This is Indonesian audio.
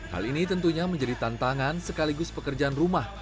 hal ini tentunya menjadi tantangan sekaligus pekerjaan rumah